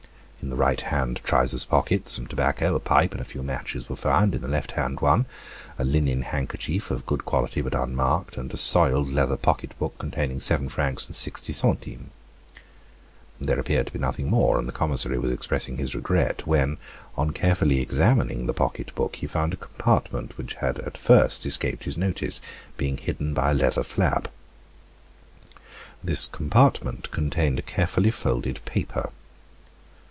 In the right hand trousers pocket some tobacco, a pipe, and a few matches were found; in the left hand one, a linen handkerchief of good quality, but unmarked, and a soiled leather pocket book, containing seven francs and sixty centimes. There appeared to be nothing more, and the commissary was expressing his regret, when, on carefully examining the pocket book he found a compartment which had at first escaped his notice, being hidden by a leather flap. This compartment contained a carefully folded paper.